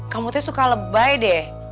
kamu tuh suka lebay deh